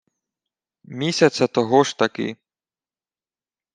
Місяця того ж таки